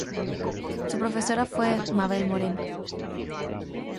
Su profesora fue Mabel Moreno.